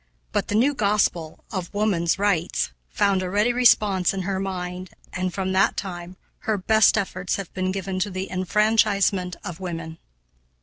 But the new gospel of "Woman's Rights," found a ready response in her mind, and, from that time, her best efforts have been given to the enfranchisement of women.